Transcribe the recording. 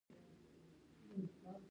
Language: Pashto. په کلیو کې خلک خپلې میوې خوري.